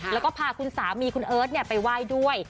แล้วก็พาคุณสามีคุณเอิร์ทไปไหว้ด้วย